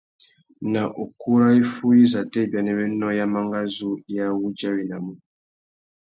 Nà ukú râ iffúh izâtê ibianéwénô ya mangazú i awudjawenamú?